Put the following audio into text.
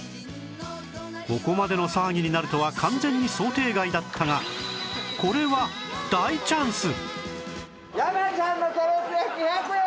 ここまでの騒ぎになるとは完全に想定外だったがこれは大チャンス！